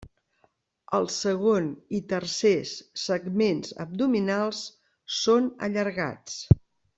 El segon i tercers segments abdominals són allargats.